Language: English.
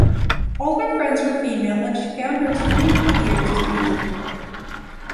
All her friends were female and she found her teenage years to be difficult.